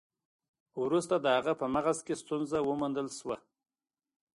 وروسته د هغه په مغز کې ستونزه وموندل شوه.